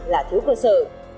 là thứ cơ sở